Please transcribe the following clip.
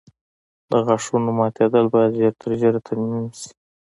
د غاښونو ماتېدل باید ژر تر ژره ترمیم شي.